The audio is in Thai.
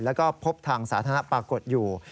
แล้วก็พบทางสาธารณะปรากฏอยู่